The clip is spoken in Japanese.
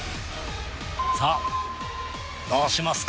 さあどうしますか？